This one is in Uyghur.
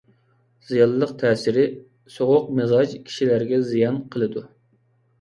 زىيانلىق تەسىرى: سوغۇق مىزاج كىشىلەرگە زىيان قىلىدۇ.